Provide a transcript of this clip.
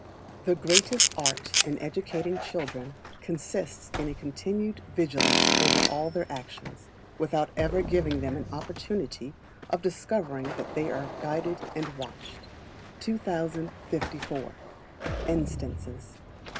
The Greatest Art in educating children consists in a continued vigilance over all their actions, without ever giving them an opportunity of discovering that they are guided and watched. 2054. Instances.